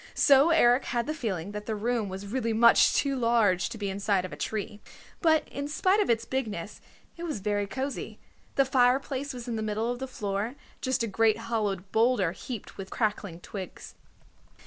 So Eric had the feeling that the room was really much too large to be inside of a tree. But in spite of its bigness, it was very cozy. The fireplace was in the middle of the floor, just a great hollowed boulder, heaped with crackling twigs.